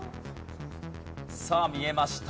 さあ見えました。